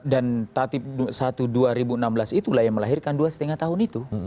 dan tatip satu dua ribu enam belas itulah yang melahirkan dua lima tahun itu